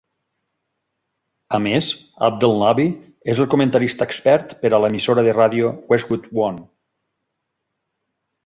A més, Abdelnaby és el comentarista expert per a l'emissora de ràdio Westwood One.